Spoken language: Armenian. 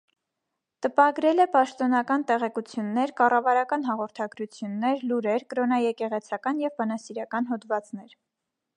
Տպագրել է պաշտոնական տեղեկություններ, կառավարական հաղորդագրություններ, լուրեր, կրոնաեկեղեցական և բանասիրական հոդվածներ։